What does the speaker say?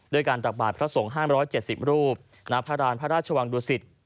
ด้วยการตักบาทพระสงฆ์๕๗๐รูปณพระราณพระราชวังดุสิต